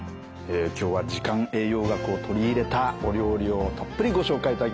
今日は時間栄養学を取り入れたお料理をたっぷりご紹介いただきました。